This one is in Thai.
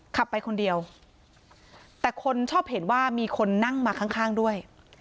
ขับไปคนเดียวแต่คนชอบเห็นว่ามีคนนั่งมาข้างข้างด้วย